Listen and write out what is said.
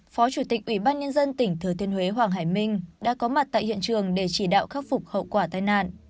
phó chủ tịch ủy ban nhân dân tỉnh thừa thiên huế hoàng hải minh đã có mặt tại hiện trường để chỉ đạo khắc phục hậu quả tai nạn